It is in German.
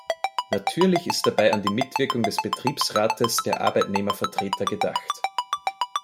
Natürlich ist dabei an die Mitwirkung des Betriebsrates, der Arbeitnehmervertreter gedacht.